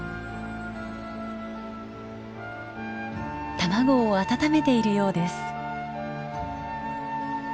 卵を温めているようです。